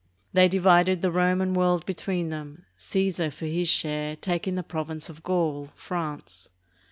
They divided the Roman world between them, Caesar, for his share, taking the province of Gaul (France).